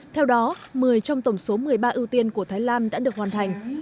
theo đó một mươi trong tổng số một mươi ba ưu tiên của thái lan đã được hoàn thành